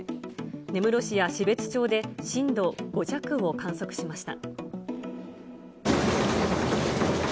根室市や標津町で震度５弱を観測しました。